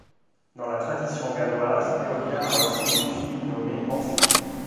Dans la tradition galloise, Urien a aussi une fille nommée Morfydd.